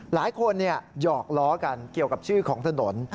หลายคนหยอกล้อกันเกี่ยวกับชื่อของถนน